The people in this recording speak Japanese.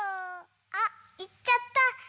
あいっちゃった。